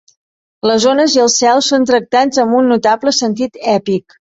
Les ones i el cel són tractats amb un notable sentit èpic.